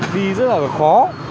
đi rất là khó